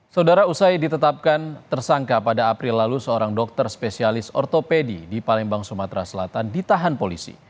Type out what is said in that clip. saudara usai ditetapkan tersangka pada april lalu seorang dokter spesialis ortopedi di palembang sumatera selatan ditahan polisi